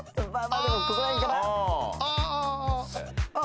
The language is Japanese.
ああ！